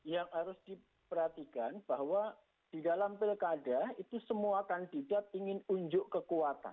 yang harus diperhatikan bahwa di dalam pilkada itu semua kandidat ingin unjuk kekuatan